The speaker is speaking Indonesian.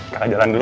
kaka jalan dulu